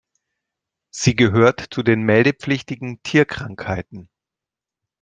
Sie gehört zu den meldepflichtigen Tierkrankheiten.